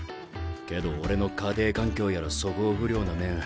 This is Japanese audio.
けど俺の家庭環境やら素行不良な面